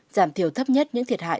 giảm thiểu thấp nhất những thiệt hại